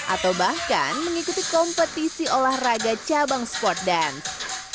atau bahkan mengikuti kompetisi olahraga cabang sport dance